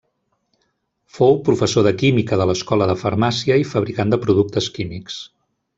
Fou professor de química de l'Escola de Farmàcia i fabricant de productes químics.